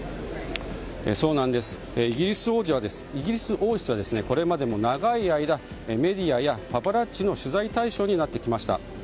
イギリス王室は、これまでも長い間、メディアやパパラッチの取材対象になってきました。